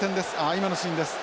今のシーンです。